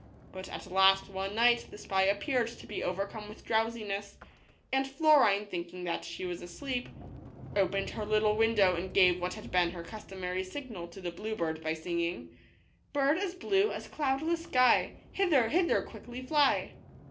But at last one night the spy appeared to be overcome with drowsi ness, and Florine, thinking that she was asleep, opened her little window, and gave what had been her customary signal to the blue bird by singing :" Bird as blue as cloudless sky, Hither, hither quickly fly